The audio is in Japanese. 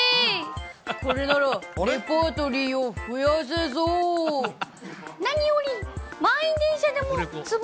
これならレパートリーを増やせそう。